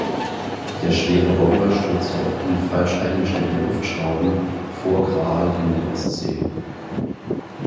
Der schwere Bomber stürzte aufgrund falsch eingestellter Luftschrauben vor Graal in die Ostsee.